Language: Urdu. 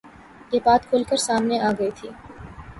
یہ بات کُھل کر سامنے آ گئی تھی